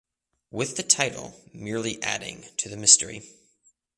With the title merely adding to the mystery.